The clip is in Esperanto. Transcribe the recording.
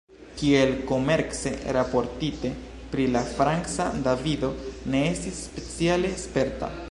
Kiel komence raportite, pri la Franca Davido ne estis speciale sperta.